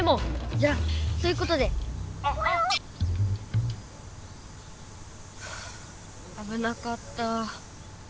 じゃそういうことで！はああぶなかった。